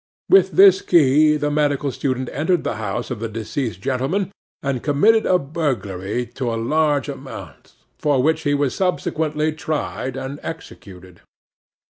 With this key the medical student entered the house of the deceased gentleman, and committed a burglary to a large amount, for which he was subsequently tried and executed.